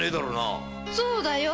そうだよ。